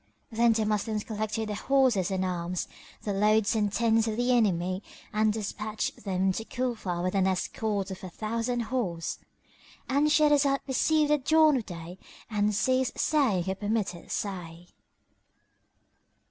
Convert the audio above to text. Then the Moslems collected the horses and arms, the loads and tents of the enemy and despatched them to Cufa with an escort of a thousand horse;——And Shahrazad perceived the dawn of day and ceased saying her permitted say.